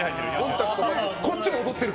こっちも踊ってる。